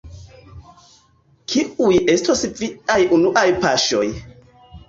Kiuj estos viaj unuaj paŝoj?